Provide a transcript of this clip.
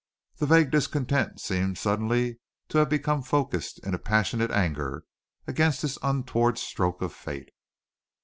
The vague discontent seemed suddenly to have become focussed in a passionate anger against this untoward stroke of fate.